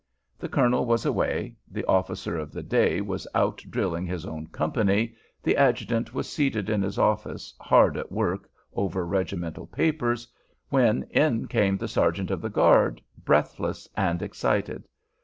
The colonel was away, the officer of the day was out drilling his own company, the adjutant was seated in his office hard at work over regimental papers, when in came the sergeant of the guard, breathless and excited.